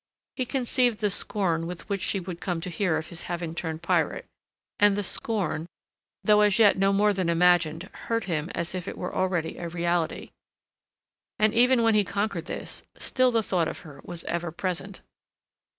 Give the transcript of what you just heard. He conceived the scorn with which she would come to hear of his having turned pirate, and the scorn, though as yet no more than imagined, hurt him as if it were already a reality. And even when he conquered this, still the thought of her was ever present.